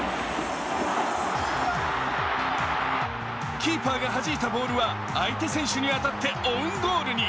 キーパーがはじいたボールは相手選手に当たってオウンゴールに。